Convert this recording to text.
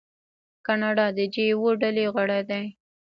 کاناډا د جي اوه ډلې غړی دی.